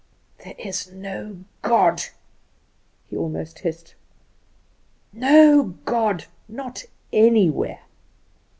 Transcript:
"There is no God!" he almost hissed; "no God; not anywhere!"